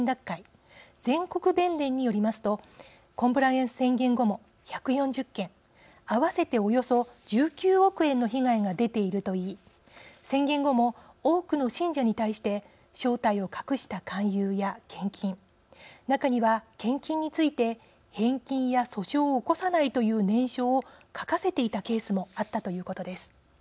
全国弁連によりますとコンプライアンス宣言後も１４０件合わせておよそ１９億円の被害が出ているといい宣言後も多くの信者に対して正体を隠した勧誘や献金中には献金について返金や訴訟を起こさないという念書を書かせていたケースもあったということです。